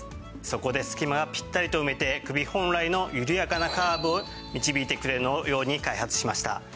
そこで隙間をピッタリと埋めて首本来の緩やかなカーブを導いてくれるように開発しました。